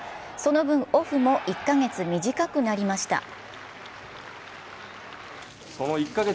その分、オフも１カ月短くなりました。